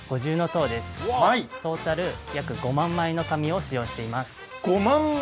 トータル約５万枚の紙を使用しています。